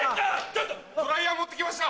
ドライヤー持ってきました！